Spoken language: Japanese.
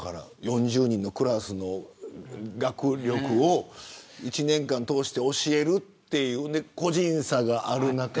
４０人のクラスの学力を１年間を通して教えるという個人差がある中で。